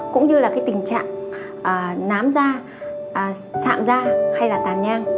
cũng như là cái tình trạng nám da sạm da hay là tàn nhang